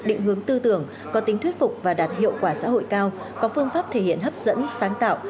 định hướng tư tưởng có tính thuyết phục và đạt hiệu quả xã hội cao có phương pháp thể hiện hấp dẫn sáng tạo